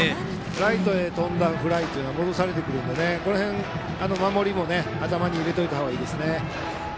ライトへ飛んだフライは戻されてくるので守りも頭に入れておいた方がいいですね。